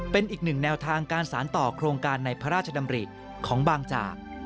เป็นอีกหนึ่งแนวทางการสารต่อโครงการในพระราชดำริของบางจาก